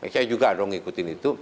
saya juga ada yang mengikuti itu